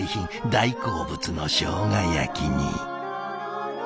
大好物のしょうが焼きに。